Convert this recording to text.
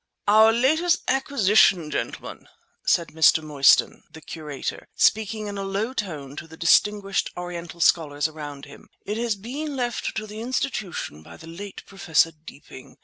"Our latest acquisition, gentlemen," said Mr. Mostyn, the curator, speaking in a low tone to the distinguished Oriental scholars around him. "It has been left to the Institution by the late Professor Deeping.